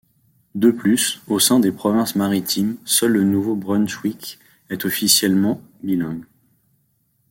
De plus, au sein des provinces maritimes, seul le Nouveau-Brunswick est officiellement bilingue.